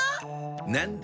なんだ？